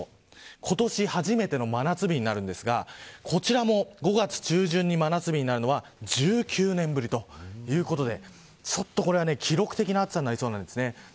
今年初めての真夏日になるんですがこちらも５月中旬に真夏日になるのは１９年ぶりということでこれは記録的な暑さになりそうです。